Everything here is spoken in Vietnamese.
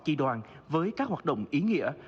tri đoàn với các hoạt động ý nghĩa